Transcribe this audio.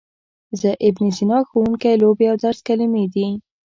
زه، ابن سینا، ښوونکی، لوبې او درس کلمې دي.